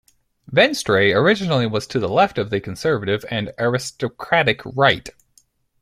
Venstre originally was to the left of the conservative and aristocratic right.